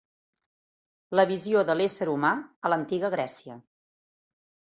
La visió de l'ésser humà a l'antiga Grècia